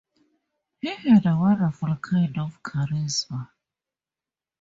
He had a wonderful kind of charisma.